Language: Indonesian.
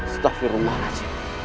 sudah firman haji